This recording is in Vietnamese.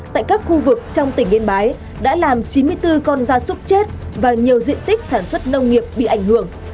tại các khu vực trong tỉnh yên bái đã làm chín mươi bốn con da súc chết và nhiều diện tích sản xuất nông nghiệp bị ảnh hưởng